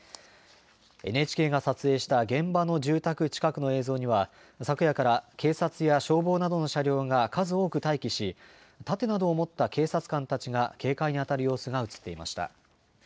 ＮＨＫが撮影した現場の住宅近くの映像には、昨夜から警察や消防などの車両が数多く待機し、盾などを持った警察官たちが警戒に当たる様子が写っていました。